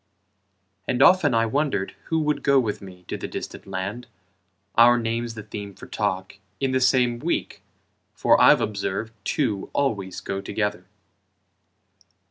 And often I wondered who would go with me To the distant land, our names the theme For talk, in the same week, for I've observed Two always go together.